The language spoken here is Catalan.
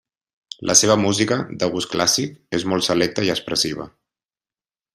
La seva música, de gust clàssic, és molt selecta i expressiva.